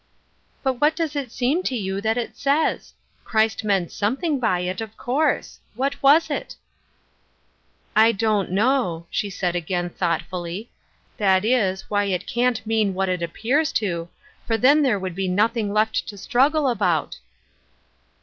" But what does it seem to you that it says ? Christ meant something by it, of course. What was it ?"" I don't know," she said again, thoughtfully. " That is, why it canH mean what it appears to, for then there would be nothing left to struggle about."